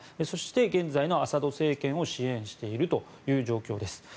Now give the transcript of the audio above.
そして、現在のアサド政権を支援しているという状況です。